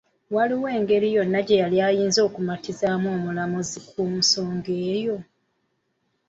Waaliwo ngeri yonna gye yali ayinza kumatizaamu omulamuzi ku nsonga eyo?